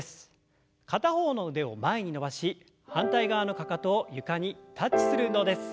片方の腕を前に伸ばし反対側のかかとを床にタッチする運動です。